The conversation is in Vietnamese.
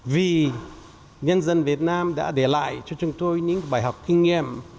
vì nhân dân việt nam đã để lại cho chúng tôi những bài học kinh nghiệm